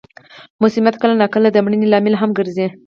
مسمومیت کله نا کله د مړینې لامل هم ګرځي.